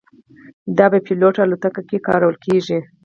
دا په بې پیلوټه الوتکو کې کارول کېږي.